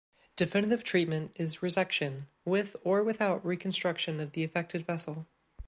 Definitive treatment is resection with or without reconstruction of the affected vessel.